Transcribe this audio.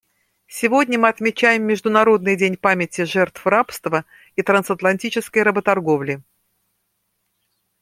Сегодня мы отмечаем Международный день памяти жертв рабства и трансатлантической работорговли.